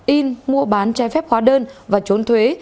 in mua bán trái phép hóa đơn và trốn thuế